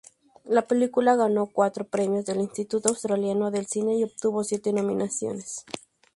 La película ganó cuatro premios del Instituto Australiano del Cine, y obtuvo siete nominaciones.